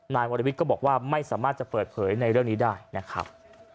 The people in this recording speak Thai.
นายวรวิทย์ก็บอกว่าไม่สามารถจะเปิดเผยในเรื่องนี้ได้นะครับ